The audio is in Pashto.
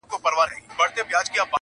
چي نوبت د عزت راغی په ژړا سو-